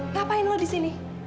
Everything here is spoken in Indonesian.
ngapain lo disini